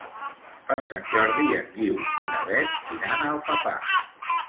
Per Sant Jordi en Guiu i na Beth iran a Alfafar.